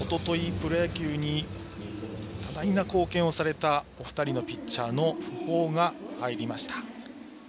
プロ野球に多大な貢献をされたお二人のピッチャーの訃報が入りました。